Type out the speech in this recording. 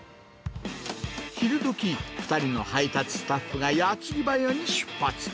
昼どき、２人の配達スタッフが矢継ぎ早に出発。